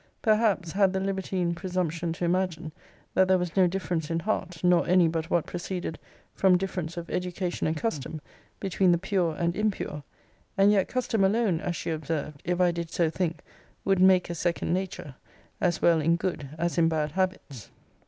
Perhaps, had the libertine presumption to imagine, that there was no difference in heart, nor any but what proceeded from difference of education and custom, between the pure and impure and yet custom alone, as she observed, if I did so think, would make a second nature, as well in good as in bad habits.